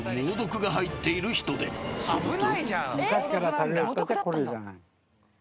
［すると］